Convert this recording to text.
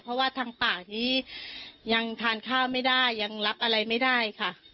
เพราะว่าทางป่านี้ยังทานข้าวไม่ได้ยังรับอะไรไม่ได้ค่ะ